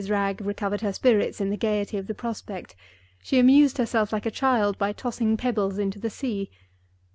Wragge recovered her spirits in the gayety of the prospect—she amused herself like a child, by tossing pebbles into the sea.